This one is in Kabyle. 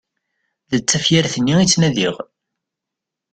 D tafyirt-nni i ttnadiɣ!